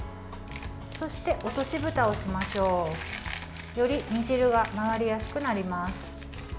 そして、落としぶたをしましょう。より煮汁が回りやすくなります。